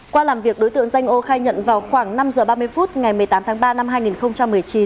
qua làm việc đối tượng danh ô khai nhận vào khoảng năm giờ ba mươi phút ngày một mươi tám tháng ba năm hai nghìn một mươi chín